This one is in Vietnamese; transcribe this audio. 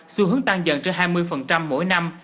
xu hướng tăng dần trên hai mươi mỗi năm